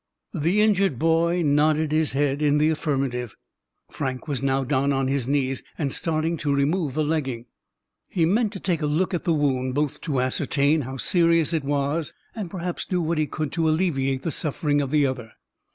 The injured boy nodded his head in the affirmative. Frank was now down on his knees and starting to remove the legging. He meant to take a look at the wound, both to ascertain how serious it was, and perhaps do what he could to alleviate the suffering of the other.